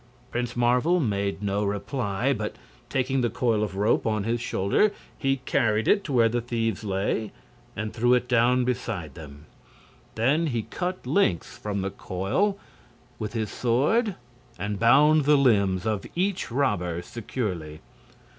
Prince Marvel made no reply, but taking the coil of rope on his shoulder he carried it to where the thieves lay and threw it down beside them. Then he cut lengths from the coil with his sword and bound the limbs of each robber securely.